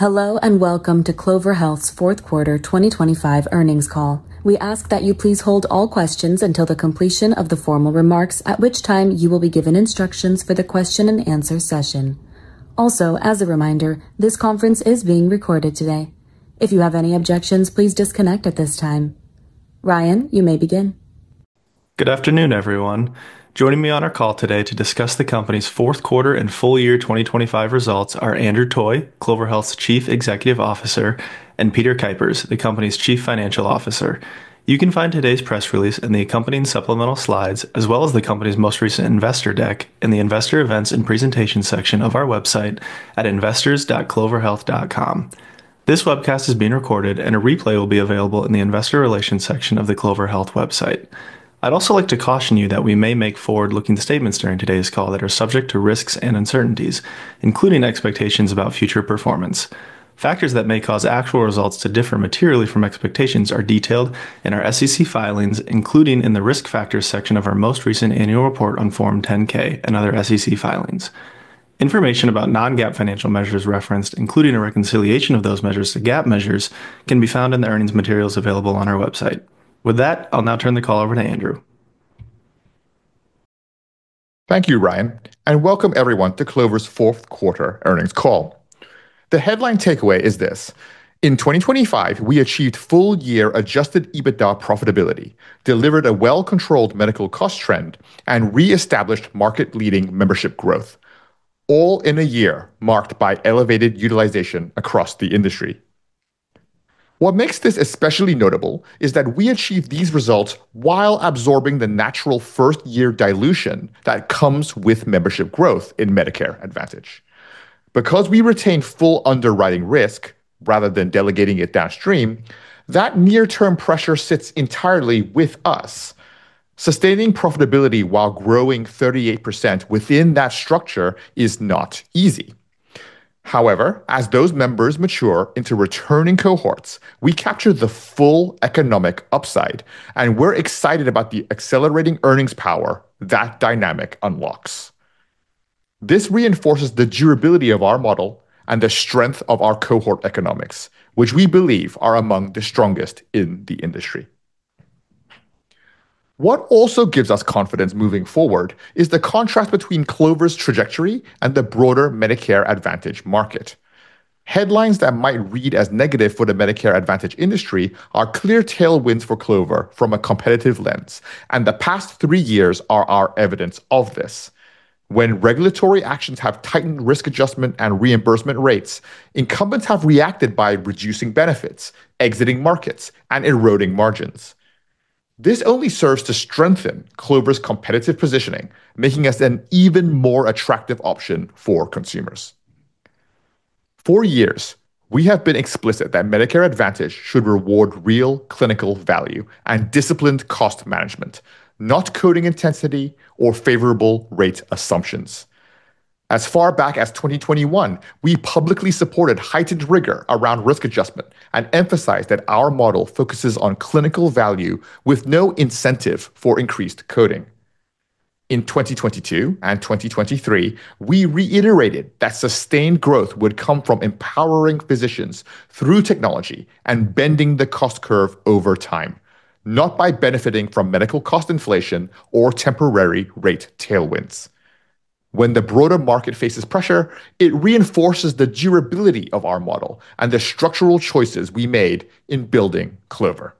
Hello, and welcome to Clover Health's fourth quarter 2025 earnings call. We ask that you please hold all questions until the completion of the formal remarks, at which time you will be given instructions for the question and answer session. As a reminder, this conference is being recorded today. If you have any objections, please disconnect at this time. Ryan, you may begin. Good afternoon, everyone. Joining me on our call today to discuss the company's fourth quarter and full year 2025 results are Andrew Toy, Clover Health's Chief Executive Officer, and Peter Kuipers, the company's Chief Financial Officer. You can find today's press release in the accompanying supplemental slides, as well as the company's most recent investor deck in the Investor Events and Presentation section of our website at investors.cloverhealth.com. This webcast is being recorded and a replay will be available in the Investor Relations section of the Clover Health website. I'd also like to caution you that we may make forward-looking statements during today's call that are subject to risks and uncertainties, including expectations about future performance. Factors that may cause actual results to differ materially from expectations are detailed in our SEC filings, including in the Risk Factors section of our most recent annual report on Form 10-K and other SEC filings. Information about non-GAAP financial measures referenced, including a reconciliation of those measures to GAAP measures, can be found in the earnings materials available on our website. With that, I'll now turn the call over to Andrew. Thank you, Ryan, and welcome everyone to Clover's fourth quarter earnings call. The headline takeaway is this: in 2025, we achieved full year Adjusted EBITDA profitability, delivered a well-controlled medical cost trend, and reestablished market-leading membership growth, all in a year marked by elevated utilization across the industry. What makes this especially notable is that we achieved these results while absorbing the natural first year dilution that comes with membership growth in Medicare Advantage. We retain full underwriting risk rather than delegating it downstream, that near term pressure sits entirely with us. Sustaining profitability while growing 38% within that structure is not easy. As those members mature into returning cohorts, we capture the full economic upside, and we're excited about the accelerating earnings power that dynamic unlocks. This reinforces the durability of our model and the strength of our cohort economics, which we believe are among the strongest in the industry. What also gives us confidence moving forward is the contrast between Clover's trajectory and the broader Medicare Advantage market. Headlines that might read as negative for the Medicare Advantage industry are clear tailwinds for Clover from a competitive lens, and the past three years are our evidence of this. When regulatory actions have tightened risk adjustment and reimbursement rates, incumbents have reacted by reducing benefits, exiting markets, and eroding margins. This only serves to strengthen Clover's competitive positioning, making us an even more attractive option for consumers. For years, we have been explicit that Medicare Advantage should reward real clinical value and disciplined cost management, not coding intensity or favorable rate assumptions. As far back as 2021, we publicly supported heightened rigor around risk adjustment and emphasized that our model focuses on clinical value with no incentive for increased coding. In 2022 and 2023, we reiterated that sustained growth would come from empowering physicians through technology and bending the cost curve over time, not by benefiting from medical cost inflation or temporary rate tailwinds. When the broader market faces pressure, it reinforces the durability of our model and the structural choices we made in building Clover.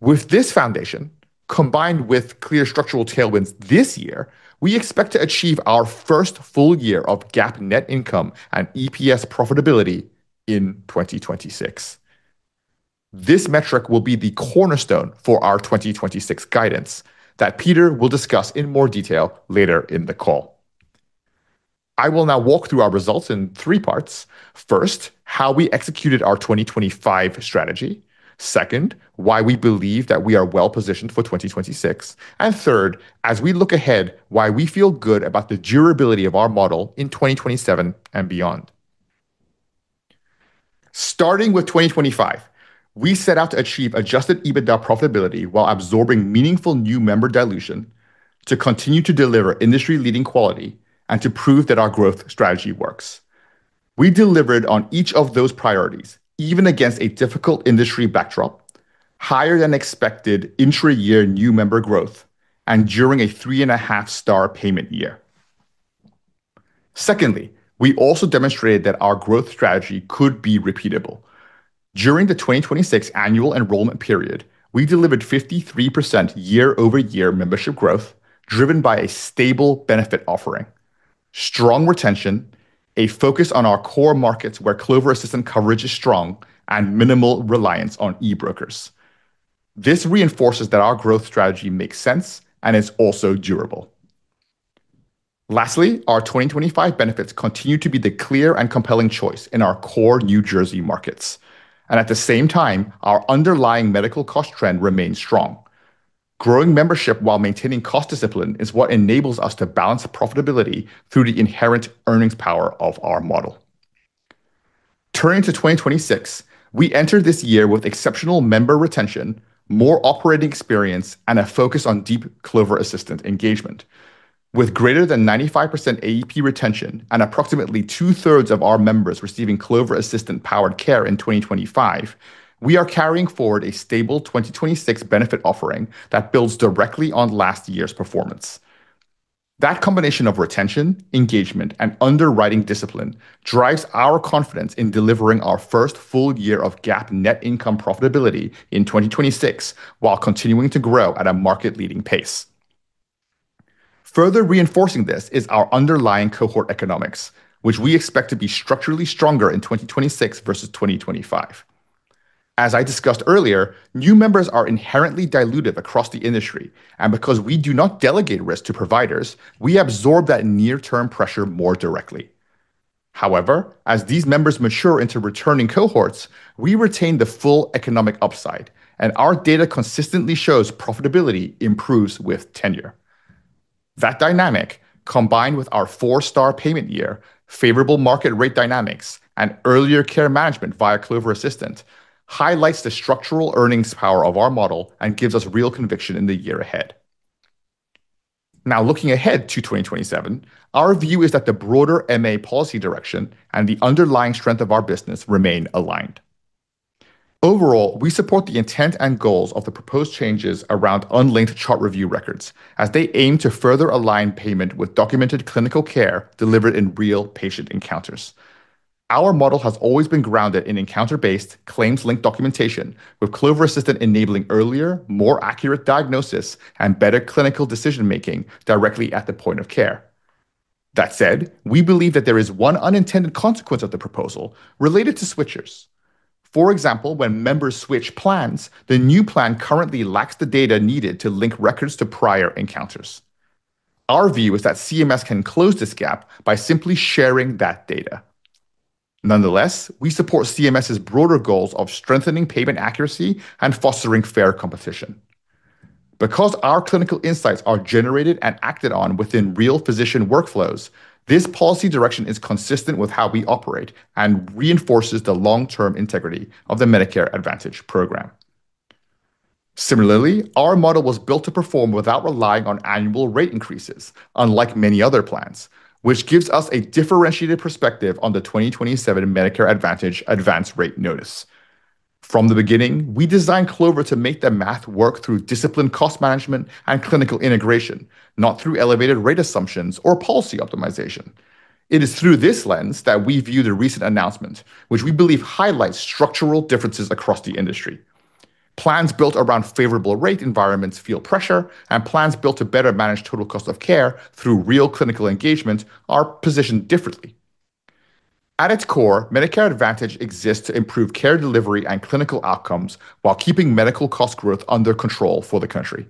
With this foundation, combined with clear structural tailwinds this year, we expect to achieve our first full year of GAAP net income and EPS profitability in 2026. This metric will be the cornerstone for our 2026 guidance that Peter will discuss in more detail later in the call. I will now walk through our results in three parts. First, how we executed our 2025 strategy. Second, why we believe that we are well positioned for 2026. Third, as we look ahead, why we feel good about the durability of our model in 2027 and beyond. Starting with 2025, we set out to achieve Adjusted EBITDA profitability while absorbing meaningful new member dilution to continue to deliver industry leading quality and to prove that our growth strategy works. We delivered on each of those priorities even against a difficult industry backdrop, higher than expected intra-year new member growth, and during a 3.5 star payment year. We also demonstrated that our growth strategy could be repeatable. During the 2026 annual enrollment period, we delivered 53% year-over-year membership growth driven by a stable benefit offering, strong retention, a focus on our core markets where Clover Assistant coverage is strong and minimal reliance on e-brokers. This reinforces that our growth strategy makes sense and is also durable. Lastly, our 2025 benefits continue to be the clear and compelling choice in our core New Jersey markets. At the same time, our underlying medical cost trend remains strong. Growing membership while maintaining cost discipline is what enables us to balance profitability through the inherent earnings power of our model. Turning to 2026, we enter this year with exceptional member retention, more operating experience, and a focus on deep Clover Assistant engagement. With greater than 95% AEP retention and approximately two-thirds of our members receiving Clover Assistant-powered care in 2025, we are carrying forward a stable 2026 benefit offering that builds directly on last year's performance. That combination of retention, engagement, and underwriting discipline drives our confidence in delivering our first full year of GAAP net income profitability in 2026 while continuing to grow at a market-leading pace. Further reinforcing this is our underlying cohort economics, which we expect to be structurally stronger in 2026 versus 2025. As I discussed earlier, new members are inherently dilutive across the industry, and because we do not delegate risk to providers, we absorb that near-term pressure more directly. However, as these members mature into returning cohorts, we retain the full economic upside, and our data consistently shows profitability improves with tenure. That dynamic, combined with our four-star payment year, favorable market rate dynamics, and earlier care management via Clover Assistant, highlights the structural earnings power of our model and gives us real conviction in the year ahead. Looking ahead to 2027, our view is that the broader MA policy direction and the underlying strength of our business remain aligned. We support the intent and goals of the proposed changes around unlinked chart review records as they aim to further align payment with documented clinical care delivered in real patient encounters. Our model has always been grounded in encounter-based claims link documentation with Clover Assistant enabling earlier, more accurate diagnosis and better clinical decision-making directly at the point of care. We believe that there is one unintended consequence of the proposal related to switchers. For example, when members switch plans, the new plan currently lacks the data needed to link records to prior encounters. Our view is that CMS can close this gap by simply sharing that data. Nonetheless, we support CMS's broader goals of strengthening payment accuracy and fostering fair competition. Because our clinical insights are generated and acted on within real physician workflows, this policy direction is consistent with how we operate and reinforces the long-term integrity of the Medicare Advantage program. Similarly, our model was built to perform without relying on annual rate increases, unlike many other plans, which gives us a differentiated perspective on the 2027 Medicare Advantage Advance Notice. From the beginning, we designed Clover to make the math work through disciplined cost management and clinical integration, not through elevated rate assumptions or policy optimization. It is through this lens that we view the recent announcement, which we believe highlights structural differences across the industry. Plans built around favorable rate environments feel pressure, and plans built to better manage total cost of care through real clinical engagement are positioned differently. At its core, Medicare Advantage exists to improve care delivery and clinical outcomes while keeping medical cost growth under control for the country.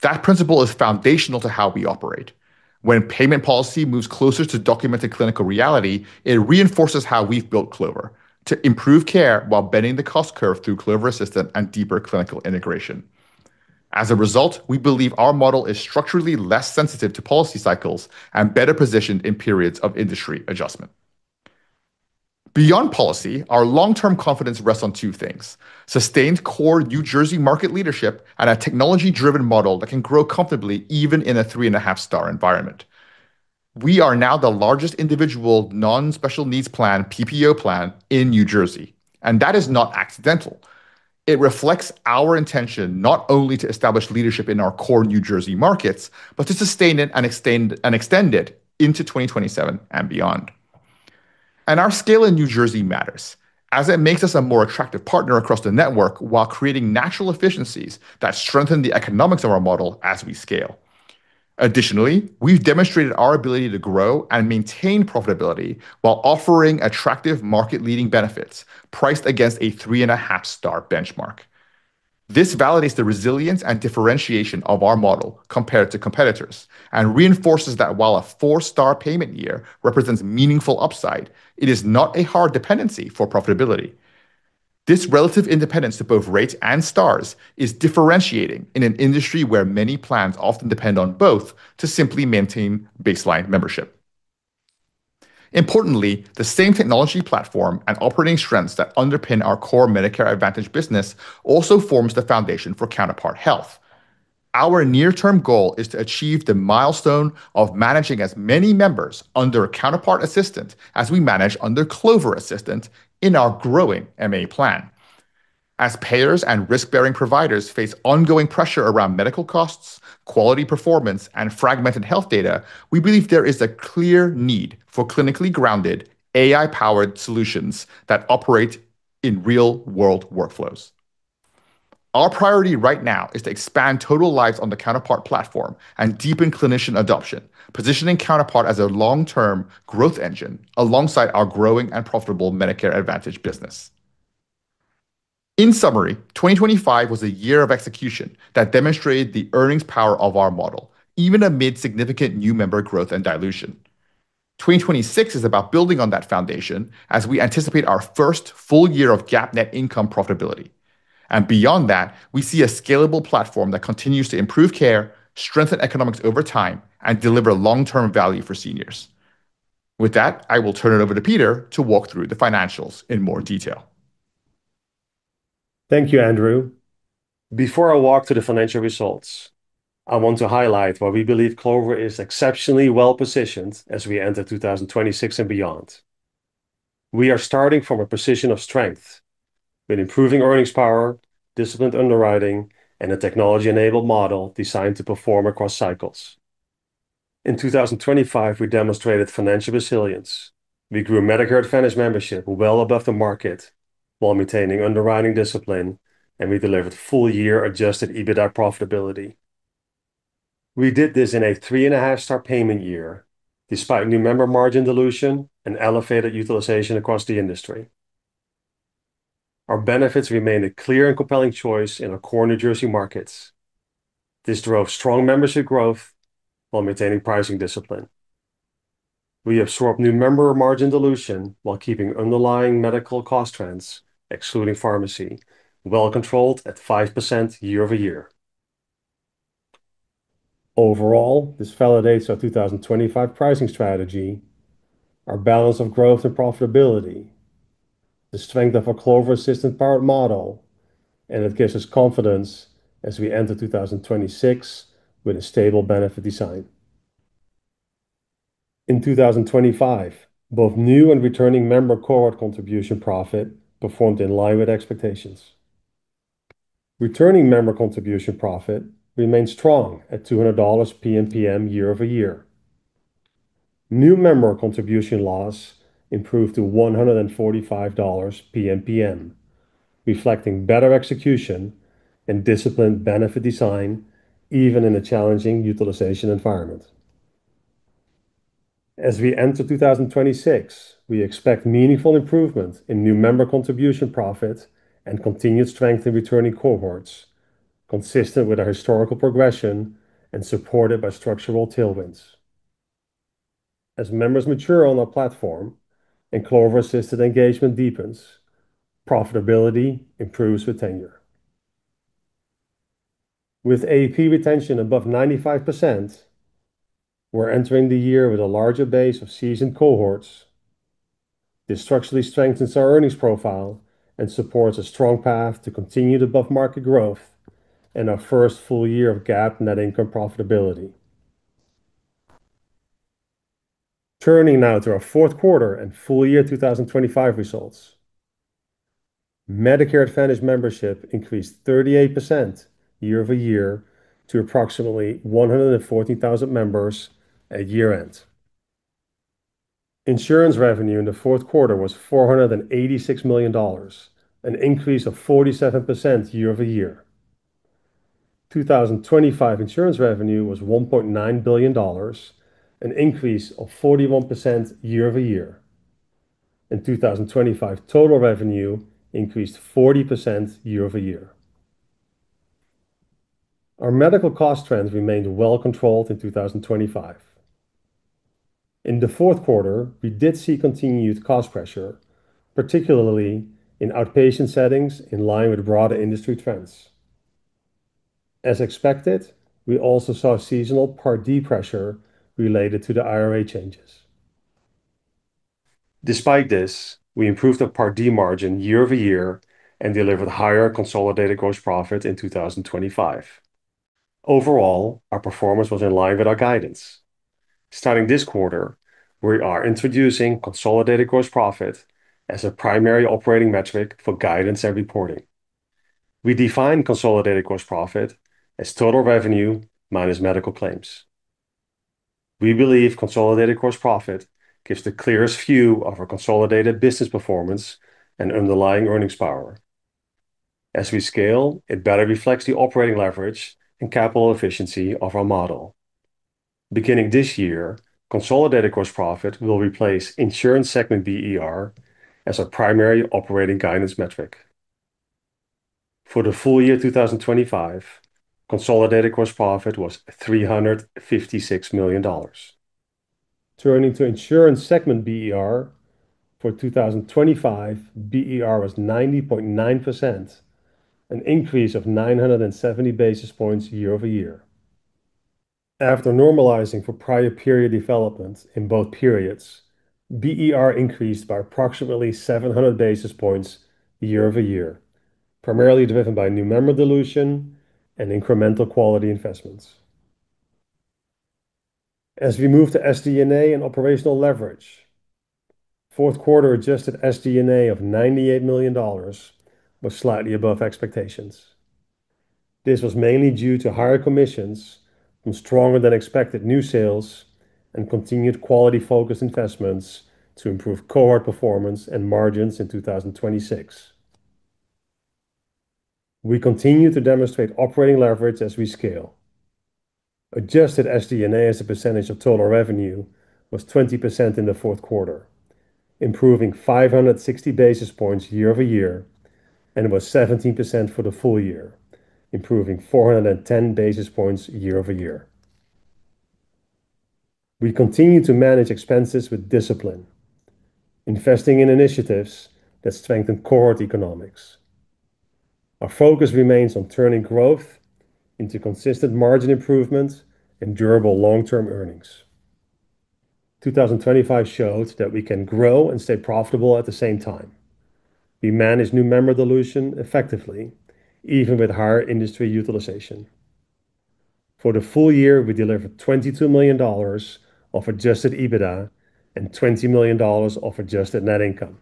That principle is foundational to how we operate. When payment policy moves closer to documented clinical reality, it reinforces how we've built Clover to improve care while bending the cost curve through Clover Assistant and deeper clinical integration. As a result, we believe our model is structurally less sensitive to policy cycles and better positioned in periods of industry adjustment. Beyond policy, our long-term confidence rests on two things: sustained core New Jersey market leadership and a technology-driven model that can grow comfortably even in a three-and-a-half-star environment. We are now the largest individual non-special needs plan PPO plan in New Jersey, that is not accidental. It reflects our intention not only to establish leadership in our core New Jersey markets but to sustain it and extend it into 2027 and beyond. Our scale in New Jersey matters as it makes us a more attractive partner across the network while creating natural efficiencies that strengthen the economics of our model as we scale. Additionally, we've demonstrated our ability to grow and maintain profitability while offering attractive market-leading benefits priced against a three-and-a-half-star benchmark. This validates the resilience and differentiation of our model compared to competitors and reinforces that while a four-star payment year represents meaningful upside, it is not a hard dependency for profitability. This relative independence to both rates and stars is differentiating in an industry where many plans often depend on both to simply maintain baseline membership. Importantly, the same technology platform and operating strengths that underpin our core Medicare Advantage business also forms the foundation for Counterpart Health. Our near-term goal is to achieve the milestone of managing as many members under Counterpart Assistant as we manage under Clover Assistant in our growing MA plan. As payers and risk-bearing providers face ongoing pressure around medical costs, quality performance, and fragmented health data, we believe there is a clear need for clinically grounded AI-powered solutions that operate in real-world workflows. Our priority right now is to expand total lives on the Counterpart platform and deepen clinician adoption, positioning Counterpart as a long-term growth engine alongside our growing and profitable Medicare Advantage business. In summary, 2025 was a year of execution that demonstrated the earnings power of our model, even amid significant new member growth and dilution. 2026 is about building on that foundation as we anticipate our first full year of GAAP net income profitability. Beyond that, we see a scalable platform that continues to improve care, strengthen economics over time, and deliver long-term value for seniors. With that, I will turn it over to Peter to walk through the financials in more detail. Thank you, Andrew. Before I walk through the financial results, I want to highlight why we believe Clover Health is exceptionally well positioned as we enter 2026 and beyond. We are starting from a position of strength with improving earnings power, disciplined underwriting, and a technology-enabled model designed to perform across cycles. In 2025, we demonstrated financial resilience. We grew Medicare Advantage membership well above the market while maintaining underwriting discipline, and we delivered full year Adjusted EBITDA profitability. We did this in a 3.5-star payment year, despite new member margin dilution and elevated utilization across the industry. Our benefits remained a clear and compelling choice in our core New Jersey markets. This drove strong membership growth while maintaining pricing discipline. We absorbed new member margin dilution while keeping underlying medical cost trends, excluding pharmacy, well controlled at 5% year-over-year. Overall, this validates our 2025 pricing strategy, our balance of growth and profitability, the strength of our Clover Assistant powered model, and it gives us confidence as we enter 2026 with a stable benefit design. In 2025, both new and returning member cohort contribution profit performed in line with expectations. Returning member contribution profit remained strong at $200 PNPM year-over-year. New member contribution loss improved to $145 PNPM, reflecting better execution and disciplined benefit design even in a challenging utilization environment. As we enter 2026, we expect meaningful improvement in new member contribution profit and continued strength in returning cohorts, consistent with our historical progression and supported by structural tailwinds. As members mature on our platform and Clover-assisted engagement deepens, profitability improves with tenure. With AP retention above 95%, we're entering the year with a larger base of seasoned cohorts. This structurally strengthens our earnings profile and supports a strong path to continued above-market growth and our first full year of GAAP net income profitability. Turning now to our fourth quarter and full year 2025 results. Medicare Advantage membership increased 38% year-over-year to approximately 114,000 members at year-end. Insurance revenue in the fourth quarter was $486 million, an increase of 47% year-over-year. 2025 insurance revenue was $1.9 billion, an increase of 41% year-over-year. In 2025, total revenue increased 40% year-over-year. Our medical cost trends remained well controlled in 2025. In the fourth quarter, we did see continued cost pressure, particularly in outpatient settings in line with broader industry trends. As expected, we also saw seasonal Part D pressure related to the IRA changes. Despite this, we improved our Part D margin year-over-year and delivered higher Consolidated Gross Profit in 2025. Overall, our performance was in line with our guidance. Starting this quarter, we are introducing Consolidated Gross Profit as a primary operating metric for guidance and reporting. We define Consolidated Gross Profit as total revenue minus medical claims. We believe Consolidated Gross Profit gives the clearest view of our consolidated business performance and underlying earnings power. As we scale, it better reflects the operating leverage and capital efficiency of our model. Beginning this year, Consolidated Gross Profit will replace insurance segment BER as our primary operating guidance metric. For the full year 2025, Consolidated Gross Profit was $356 million. Turning to insurance segment BER. For 2025, BER was 90.9%, an increase of 970 basis points year-over-year. After normalizing for prior period developments in both periods, BER increased by approximately 700 basis points year-over-year, primarily driven by new member dilution and incremental quality investments. As we move to SG&A and operational leverage, fourth quarter Adjusted SG&A of $98 million was slightly above expectations. This was mainly due to higher commissions from stronger than expected new sales and continued quality focused investments to improve cohort performance and margins in 2026. We continue to demonstrate operating leverage as we scale. Adjusted SG&A as a percentage of total revenue was 20% in the fourth quarter, improving 560 basis points year-over-year. It was 17% for the full year, improving 410 basis points year-over-year. We continue to manage expenses with discipline, investing in initiatives that strengthen core economics. Our focus remains on turning growth into consistent margin improvements and durable long-term earnings. 2025 showed that we can grow and stay profitable at the same time. We manage new member dilution effectively, even with higher industry utilization. For the full year, we delivered $22 million of Adjusted EBITDA and $20 million of adjusted net income.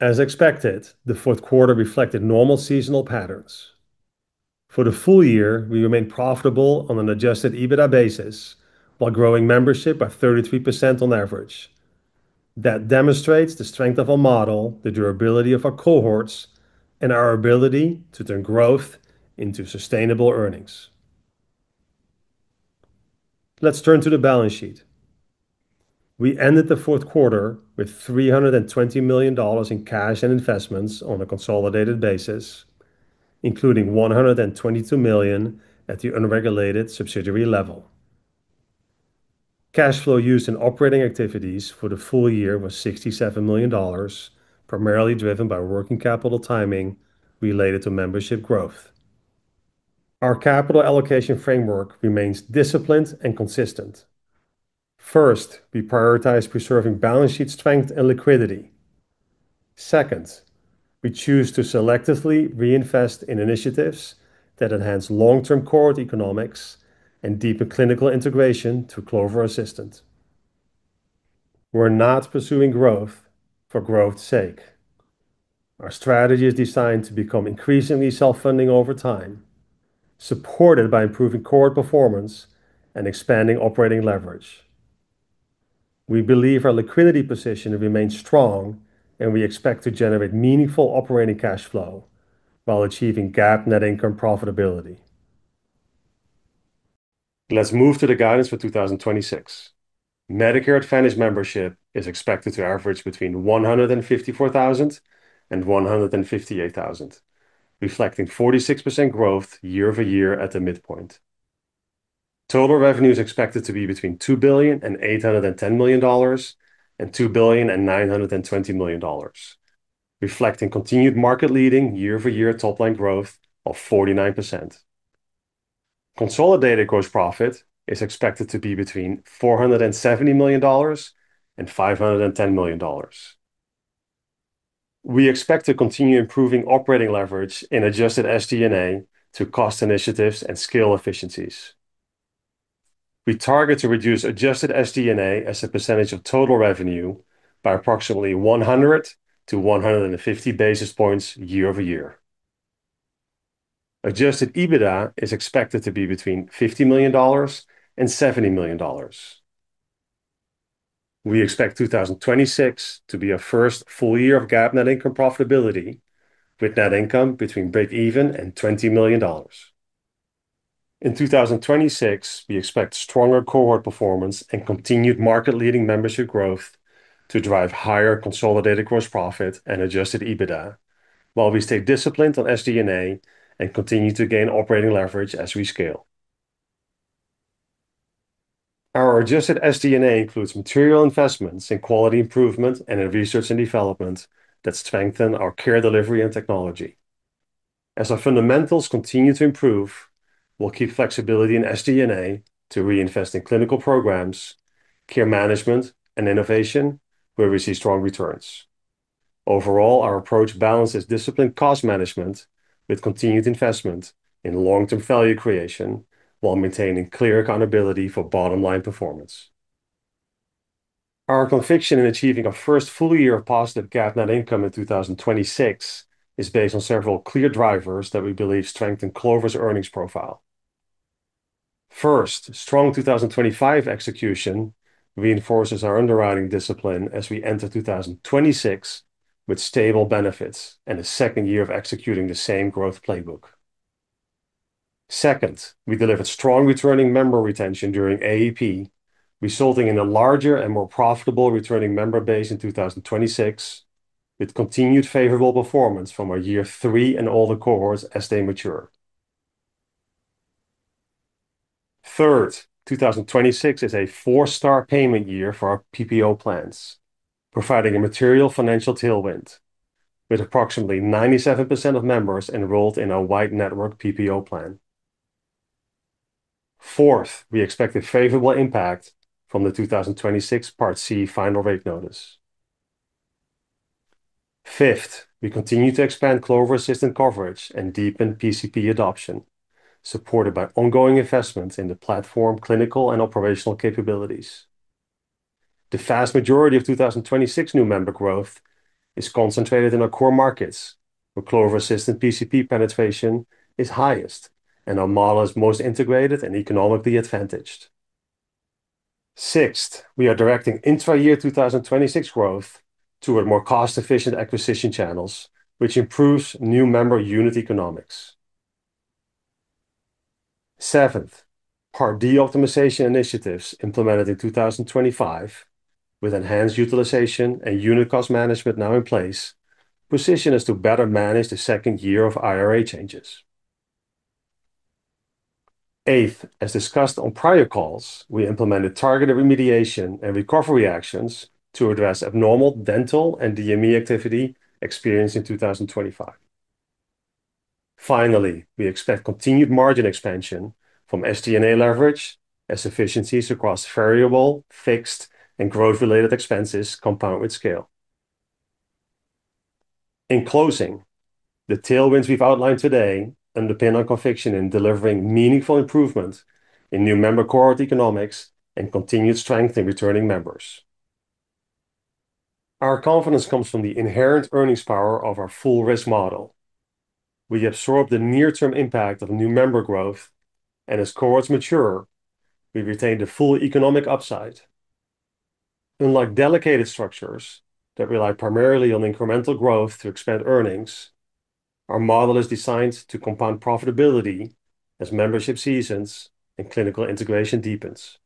As expected, the fourth quarter reflected normal seasonal patterns. For the full year, we remain profitable on an Adjusted EBITDA basis while growing membership by 33% on average. That demonstrates the strength of our model, the durability of our cohorts, and our ability to turn growth into sustainable earnings. Let's turn to the balance sheet. We ended the fourth quarter with $320 million in cash and investments on a consolidated basis, including $122 million at the unregulated subsidiary level. Cash flow used in operating activities for the full year was $67 million, primarily driven by working capital timing related to membership growth. Our capital allocation framework remains disciplined and consistent. First, we prioritize preserving balance sheet strength and liquidity. Second, we choose to selectively reinvest in initiatives that enhance long-term core economics and deeper clinical integration to Clover Assistant. We're not pursuing growth for growth's sake. Our strategy is designed to become increasingly self-funding over time, supported by improving core performance and expanding operating leverage. We believe our liquidity position remains strong, and we expect to generate meaningful operating cash flow while achieving GAAP net income profitability. Let's move to the guidance for 2026. Medicare Advantage membership is expected to average between 154,000 and 158,000, reflecting 46% growth year-over-year at the midpoint. Total revenue is expected to be between $2.81 billion and $2.92 billion, reflecting continued market leading year-over-year top line growth of 49%. Consolidated Gross Profit is expected to be between $470 million and $510 million. We expect to continue improving operating leverage in Adjusted SG&A to cost initiatives and scale efficiencies. We target to reduce Adjusted SG&A as a % of total revenue by approximately 100-150 basis points year-over-year. Adjusted EBITDA is expected to be between $50 million and $70 million. We expect 2026 to be our first full year of GAAP net income profitability with net income between breakeven and $20 million. In 2026, we expect stronger cohort performance and continued market leading membership growth to drive higher Consolidated Gross Profit and Adjusted EBITDA, while we stay disciplined on SG&A and continue to gain operating leverage as we scale. Our Adjusted SG&A includes material investments in quality improvement and in research and development that strengthen our care delivery and technology. As our fundamentals continue to improve, we'll keep flexibility in SG&A to reinvest in clinical programs, care management, and innovation where we see strong returns. Overall, our approach balances disciplined cost management with continued investment in long-term value creation while maintaining clear accountability for bottom line performance. Our conviction in achieving our first full year of positive GAAP net income in 2026 is based on several clear drivers that we believe strengthen Clover's earnings profile. First, strong 2025 execution reinforces our underwriting discipline as we enter 2026 with stable benefits and a second year of executing the same growth playbook. Second, we delivered strong returning member retention during AEP, resulting in a larger and more profitable returning member base in 2026, with continued favorable performance from our year three and older cohorts as they mature. Third, 2026 is a four-star payment year for our PPO plans, providing a material financial tailwind, with approximately 97% of members enrolled in our wide network PPO plan. Fourth, we expect a favorable impact from the 2026 Part C final rate notice. Fifth, we continue to expand Clover Assistant coverage and deepen PCP adoption, supported by ongoing investments in the platform, clinical, and operational capabilities. The vast majority of 2026 new member growth is concentrated in our core markets, where Clover Assistant PCP penetration is highest and our model is most integrated and economically advantaged. Sixth, we are directing intra-year 2026 growth toward more cost-efficient acquisition channels, which improves new member unit economics. Seventh, Part D optimization initiatives implemented in 2025, with enhanced utilization and unit cost management now in place, position us to better manage the second year of IRA changes. Eighth, as discussed on prior calls, we implemented targeted remediation and recovery actions to address abnormal dental and DME activity experienced in 2025. Finally, we expect continued margin expansion from SG&A leverage as efficiencies across variable, fixed, and growth-related expenses compound with scale. In closing, the tailwinds we've outlined today underpin our conviction in delivering meaningful improvement in new member cohort economics and continued strength in returning members. Our confidence comes from the inherent earnings power of our full risk model. We absorb the near-term impact of new member growth, and as cohorts mature, we retain the full economic upside. Unlike dedicated structures that rely primarily on incremental growth to expand earnings, our model is designed to compound profitability as membership seasons and clinical integration deepens.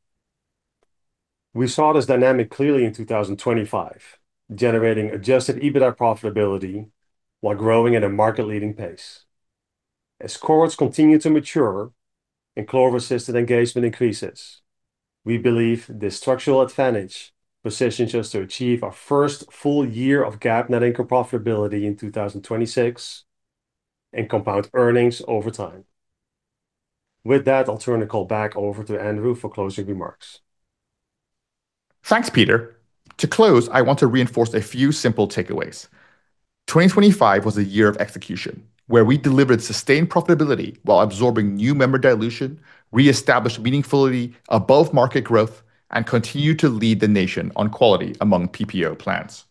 We saw this dynamic clearly in 2025, generating Adjusted EBITDA profitability while growing at a market-leading pace. As cohorts continue to mature and Clover Assistant engagement increases, we believe this structural advantage positions us to achieve our first full year of GAAP net income profitability in 2026 and compound earnings over time. With that, I'll turn the call back over to Andrew for closing remarks. Thanks, Peter. To close, I want to reinforce a few simple takeaways. 2025 was a year of execution, where we delivered sustained profitability while absorbing new member dilution, reestablished meaningfully above market growth, and continued to lead the nation on quality among PPO plans.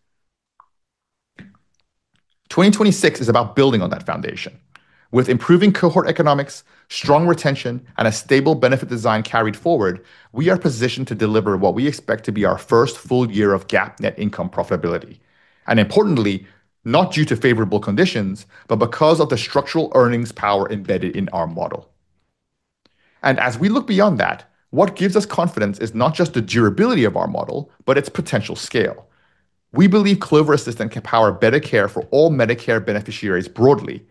2026 is about building on that foundation. With improving cohort economics, strong retention, and a stable benefit design carried forward, we are positioned to deliver what we expect to be our first full year of GAAP net income profitability, and importantly, not due to favorable conditions, but because of the structural earnings power embedded in our model. As we look beyond that, what gives us confidence is not just the durability of our model, but its potential scale. We believe Clover Assistant can power better care for all Medicare beneficiaries broadly,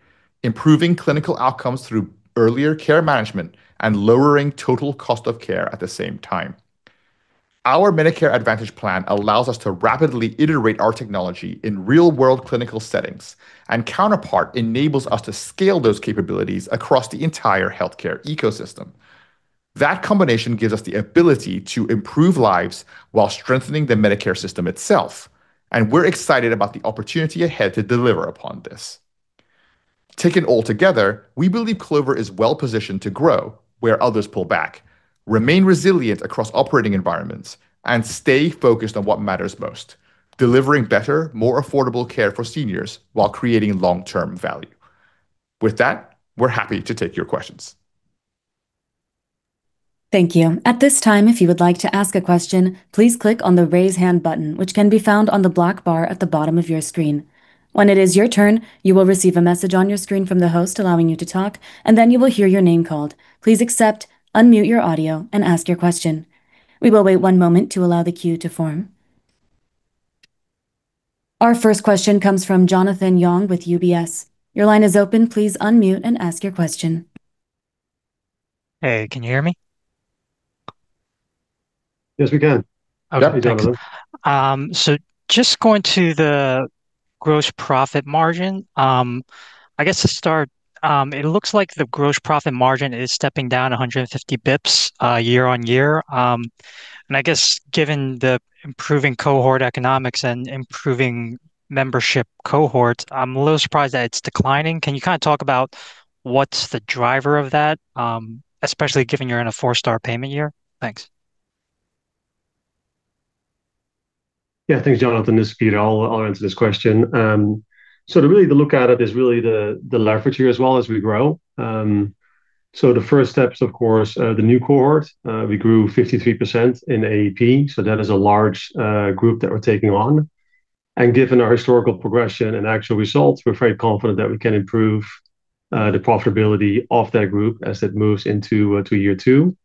improving clinical outcomes through earlier care management and lowering total cost of care at the same time. Our Medicare Advantage plan allows us to rapidly iterate our technology in real-world clinical settings. Counterpart enables us to scale those capabilities across the entire healthcare ecosystem. That combination gives us the ability to improve lives while strengthening the Medicare system itself. We're excited about the opportunity ahead to deliver upon this. Taken all together, we believe Clover is well-positioned to grow where others pull back, remain resilient across operating environments, and stay focused on what matters most: delivering better, more affordable care for seniors while creating long-term value. With that, we're happy to take your questions. Thank you. At this time, if you would like to ask a question, please click on the Raise Hand button, which can be found on the black bar at the bottom of your screen. When it is your turn, you will receive a message on your screen from the host allowing you to talk, and then you will hear your name called. Please accept, unmute your audio, and ask your question. We will wait one moment to allow the queue to form. Our first question comes from Jonathan Yong with UBS. Your line is open. Please unmute and ask your question. Hey, can you hear me? Yes, we can. Yep, we can. Thanks. Just going to the gross profit margin. I guess to start, it looks like the gross profit margin is stepping down 150 basis points year-on-year. I guess given the improving cohort economics and improving membership cohorts, I'm a little surprised that it's declining. Can you kinda talk about what's the driver of that, especially given you're in a four-star payment year? Thanks. Yeah. Thanks, Jonathan. This is Peter. I'll answer this question. To really look at it is really the leverage here as well as we grow. The first step is, of course, the new cohort. We grew 53% in AP, so that is a large group that we're taking on. Given our historical progression and actual results, we're very confident that we can improve the profitability of that group as it moves into year 2.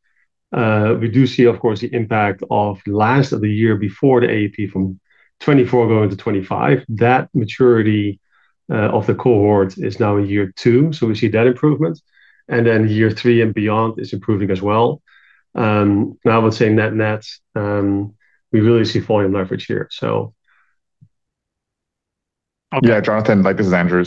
We do see, of course, the impact of the year before the AP from 2024 going to 2025. That maturity of the cohort is now in year 2, so we see that improvement. Year 3 and beyond is improving as well. Now I would say net-net, we really see volume leverage here, so. Yeah, Jonathan, like this is Andrew.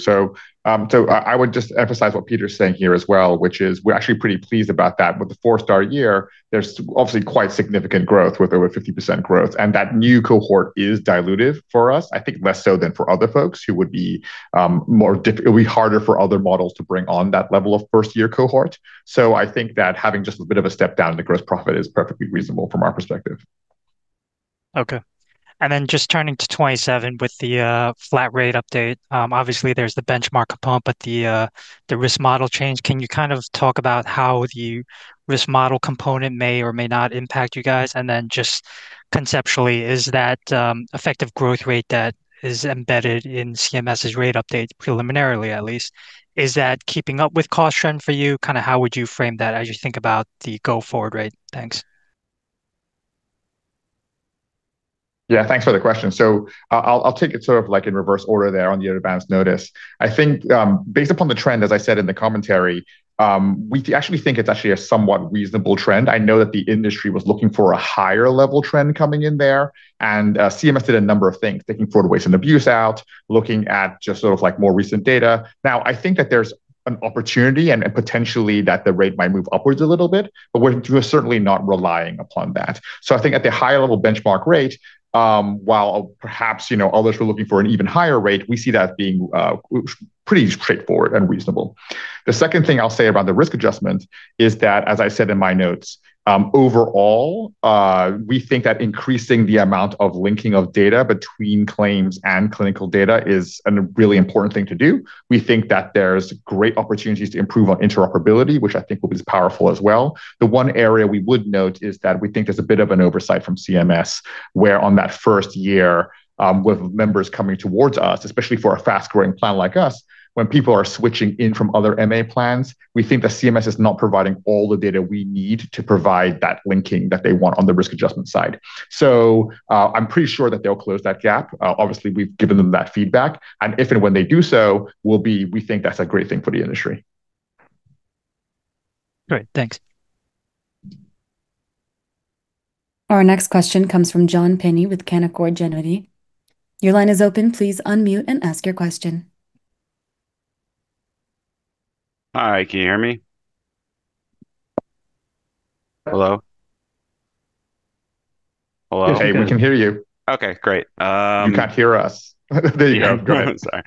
I would just emphasize what Peter's saying here as well, which is we're actually pretty pleased about that. With the four-star year, there's obviously quite significant growth with over 50% growth, and that new cohort is dilutive for us. I think less so than for other folks who would be. It would be harder for other models to bring on that level of first-year cohort. I think that having just a bit of a step down in the gross profit is perfectly reasonable from our perspective. Okay. Just turning to 27 with the flat rate update. Obviously, there's the benchmark bump, but the risk model change. Can you kind of talk about how the risk model component may or may not impact you guys? Just conceptually, is that effective growth rate that is embedded in CMS's rate update, preliminarily at least, is that keeping up with cost trend for you? Kinda how would you frame that as you think about the go-forward rate? Thanks. Yeah, thanks for the question. I'll take it sort of like in reverse order there on the Advance Notice. I think, based upon the trend, as I said in the commentary, we actually think it's actually a somewhat reasonable trend. I know that the industry was looking for a higher level trend coming in there, and CMS did a number of things, taking fraud, waste, and abuse out, looking at just sort of like more recent data. I think that there's an opportunity and potentially that the rate might move upwards a little bit, but we're certainly not relying upon that. I think at the higher level benchmark rate, while perhaps, you know, others were looking for an even higher rate, we see that being pretty straightforward and reasonable. The second thing I'll say about the risk adjustment is that, as I said in my notes, overall, we think that increasing the amount of linking of data between claims and clinical data is an really important thing to do. We think that there's great opportunities to improve on interoperability, which I think will be as powerful as well. The one area we would note is that we think there's a bit of an oversight from CMS where on that first year, with members coming towards us, especially for a fast-growing plan like us, when people are switching in from other MA plans, we think that CMS is not providing all the data we need to provide that linking that they want on the risk adjustment side. I'm pretty sure that they'll close that gap. Obviously, we've given them that feedback, if and when they do so, we think that's a great thing for the industry. Great. Thanks. Our next question comes from John Pinney with Canaccord Genuity. Your line is open. Please unmute and ask your question. Hi. Can you hear me? Hello? Hey, we can hear you. Okay, great. You can't hear us. There you go. Go ahead. Sorry.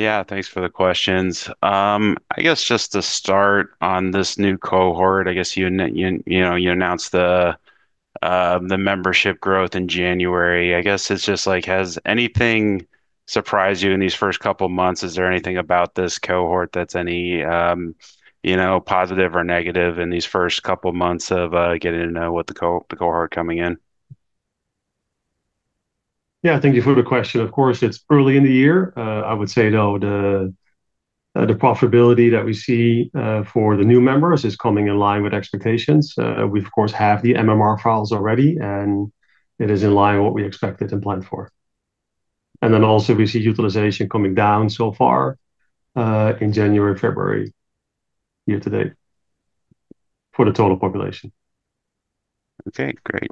Yeah, thanks for the questions. I guess just to start on this new cohort, I guess you know, you announced the membership growth in January. I guess it's just like, has anything surprised you in these first couple months? Is there anything about this cohort that's any, you know, positive or negative in these first couple months of getting to know what the cohort coming in? Yeah. Thank you for the question. Of course, it's early in the year. I would say, though, the profitability that we see, for the new members is coming in line with expectations. We of course have the MMR files already, and it is in line with what we expected and planned for. Then also we see utilization coming down so far, in January, February year to date for the total population. Okay, great.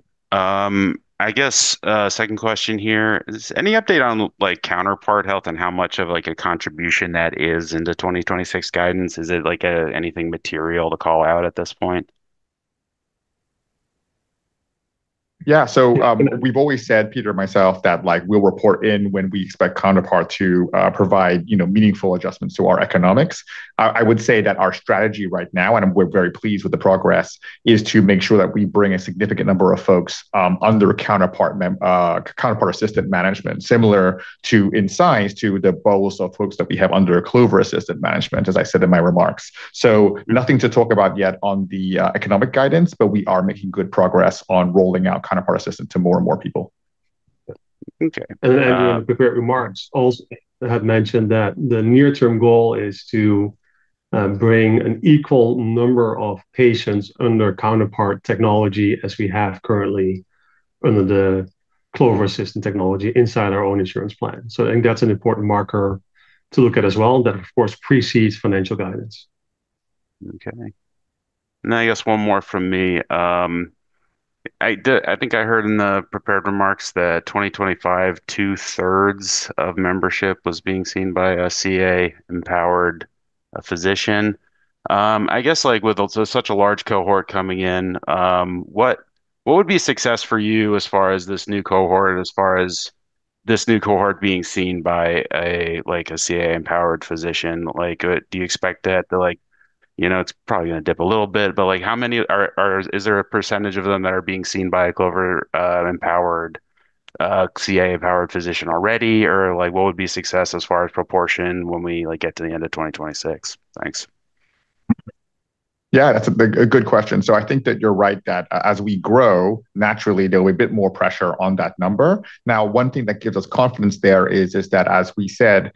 I guess, second question here. Is any update on, like, Counterpart Health and how much of, like, a contribution that is into 2026 guidance? Is it like, anything material to call out at this point? We've always said, Peter and myself, that, like, we'll report in when we expect Counterpart to provide, you know, meaningful adjustments to our economics. I would say that our strategy right now, and we're very pleased with the progress, is to make sure that we bring a significant number of folks under Counterpart Assistant Management, similar to in size to the bowels of folks that we have under Clover Assistant Management, as I said in my remarks. Nothing to talk about yet on the economic guidance, but we are making good progress on rolling out Counterpart Assistant to more and more people. Okay. The prepared remarks also had mentioned that the near-term goal is to bring an equal number of patients under Counterpart technology as we have currently under the Clover Assistant technology inside our own insurance plan. I think that's an important marker to look at as well that, of course, precedes financial guidance. I guess one more from me. I think I heard in the prepared remarks that 2025, 2/3 of membership was being seen by a CA-empowered physician. I guess like with such a large cohort coming in, what would be success for you as far as this new cohort, as far as this new cohort being seen by a, like a CA-empowered physician? Like, do you expect that the like, you know, it's probably gonna dip a little bit, but like how many are is there a percentage of them that are being seen by a Clover empowered CA-empowered physician already? Like what would be success as far as proportion when we like get to the end of 2026? Thanks. Yeah, that's a good question. I think that you're right that as we grow, naturally there'll be a bit more pressure on that number. One thing that gives us confidence there is that, as we said,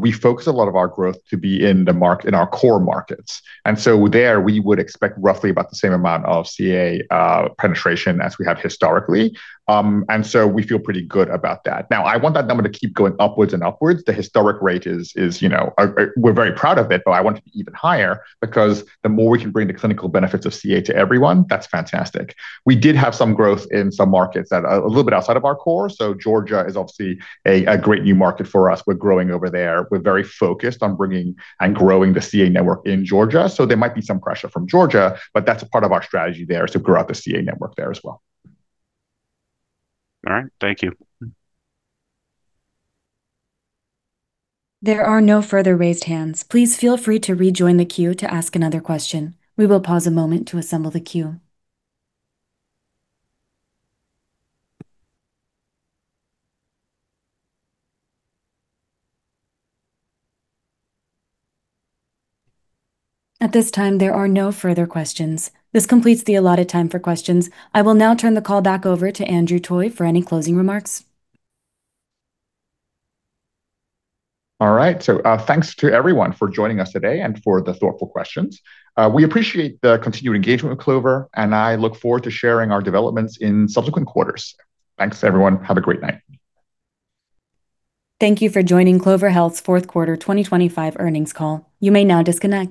we focus a lot of our growth to be in our core markets. There we would expect roughly about the same amount of CA penetration as we have historically. We feel pretty good about that. I want that number to keep going upwards and upwards. The historic rate is, you know, we're very proud of it, but I want it to be even higher because the more we can bring the clinical benefits of CA to everyone, that's fantastic. We did have some growth in some markets that are a little bit outside of our core. Georgia is obviously a great new market for us. We're growing over there. We're very focused on bringing and growing the CA network in Georgia. there might be some pressure from Georgia, but that's a part of our strategy there to grow out the CA network there as well. All right. Thank you. There are no further raised hands. Please feel free to rejoin the queue to ask another question. We will pause a moment to assemble the queue. At this time, there are no further questions. This completes the allotted time for questions. I will now turn the call back over to Andrew Toy for any closing remarks. All right. Thanks to everyone for joining us today and for the thoughtful questions. We appreciate the continued engagement with Clover, and I look forward to sharing our developments in subsequent quarters. Thanks, everyone. Have a great night. Thank you for joining Clover Health's fourth quarter 2025 earnings call. You may now disconnect.